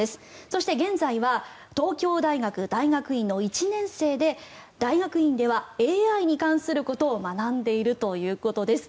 そして現在は東京大学大学院の１年生で大学院ではＡＩに関することを学んでいるということです。